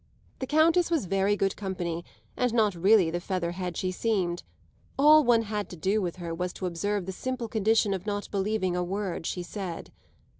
The Countess was very good company and not really the featherhead she seemed; all one had to do with her was to observe the simple condition of not believing a word she said.